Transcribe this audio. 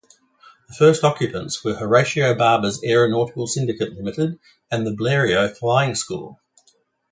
The first occupants were Horatio Barber's Aeronautical Syndicate Limited and the Bleriot flying school.